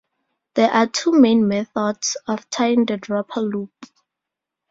There are two main methods of tying the dropper loop.